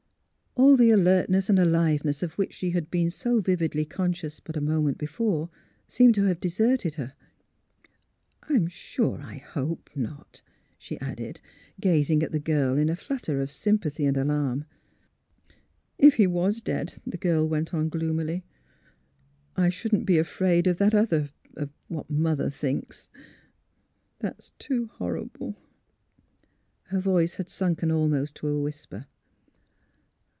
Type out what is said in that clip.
All the alertness and aliveness of which she had been so vividly conscious but a moment before seemed to have deserted her. '^ I'm sure I hope not," she added, gazing at the girl in a flutter of sympathy and alarm. *' If he was dead," the girl went on, gloomily, I shouldn't be afraid of that other — of what Mother thinks. That is too horrible! " Her voice had sunken almost to a whisper.